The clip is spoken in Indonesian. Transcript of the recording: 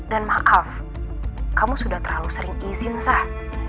dan maaf kamu sudah terlalu sering izin sah